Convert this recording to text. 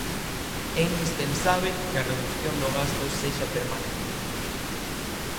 É indispensábel que a redución do gasto sexa permanente.